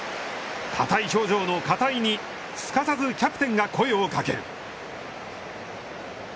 硬い表情の片井にすかさずキャプテンが声をかける。